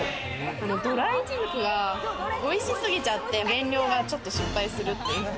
ドライイチジクがおいしすぎちゃって減量がちょっと失敗するっていう。